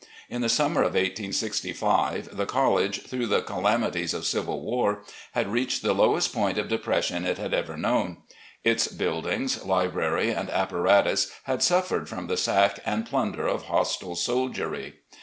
In the summer of 1865, the college, through the calamities of civil war, had reached the lowest point of depression it had ever known. Its buildings, library, and apparatus had suffered from the sack and plunder of hostile soldiery.